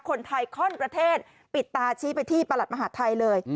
คนไทยข้อนประเทศปิดตาชี้ไปที่ประหลัดมหาทัยเลย